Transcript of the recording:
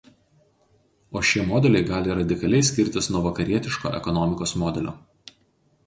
O šie modeliai gali radikaliai skirtis nuo Vakarietiško ekonomikos modelio.